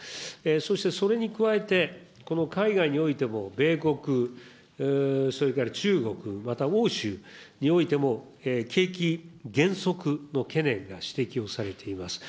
そしてそれに加えて、海外においても米国、それから中国、また欧州においても、景気減速の懸念が指摘をされています。